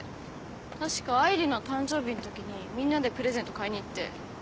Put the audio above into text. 確か愛梨の誕生日のときにみんなでプレゼント買いに行って。